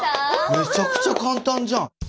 めちゃくちゃ簡単じゃん。